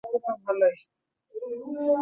পরবর্তীতে হার্ভার্ড বিশ্ববিদ্যালয়ের অধ্যাপক হন।